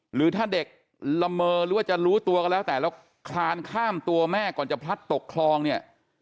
หรือถ้าเด็กละเมอหรือว่าจะรู้ตัวก็แล้วแต่แล้วคลานข้ามตัวแม่ก่อนจะพลัดตกคลองเนี่ย